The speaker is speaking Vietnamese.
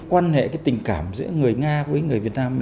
quan hệ cái tình cảm giữa người nga với người việt nam